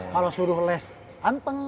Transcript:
kalau suruh les anteng